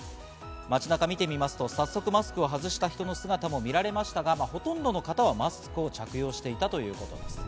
街中を見てみますと、早速マスクを外した人の姿も見られましたが、ほとんどの人はマスクを着用していたということです。